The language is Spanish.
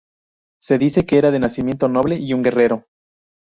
Se dice que era de nacimiento noble y un guerrero.